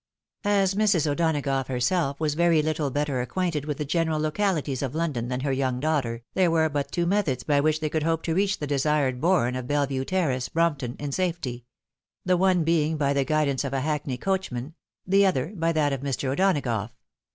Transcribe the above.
As Mrs. O'Donagough herself was very little better acquainted with the general localities of London than her young daughter, there were but two methods by which they could hope to reach the desired bourn of Belle Vue terrace, Brompton, in safety ; the one being by the guidance of a haokney ooachman — ^the other, by that of Mr. O'Donagough.